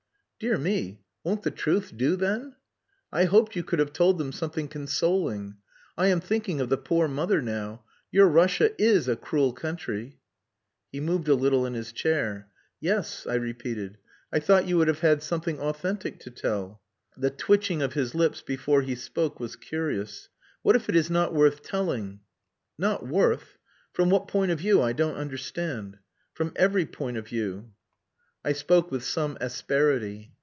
"Dear me! Won't the truth do, then? I hoped you could have told them something consoling. I am thinking of the poor mother now. Your Russia is a cruel country." He moved a little in his chair. "Yes," I repeated. "I thought you would have had something authentic to tell." The twitching of his lips before he spoke was curious. "What if it is not worth telling?" "Not worth from what point of view? I don't understand." "From every point of view." I spoke with some asperity.